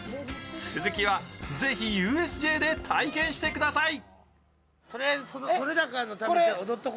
続きはぜひＵＳＪで体験してください